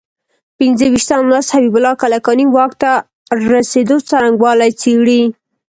پنځه ویشتم لوست حبیب الله کلکاني واک ته رسېدو څرنګوالی څېړي.